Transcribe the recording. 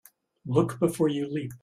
Look before you leap.